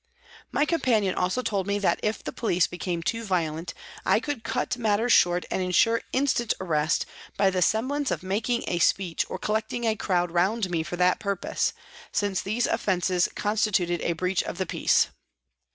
My companion also told me that if the police became too violent, I could cut matters short and ensure instant arrest by the semblance of making a speech or collecting a crowd round me for that purpose, since these offences constituted a breach of the DEPUTATION TO PRIME MINISTER 37 peace.